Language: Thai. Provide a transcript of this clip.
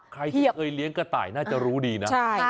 ใครที่เคยเลี้ยงกระต่ายน่าจะรู้ดีนะ